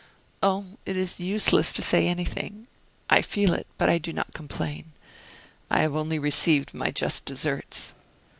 "Oh! it is useless to say anything; I feel it, but I do not complain. I have only received my just deserts."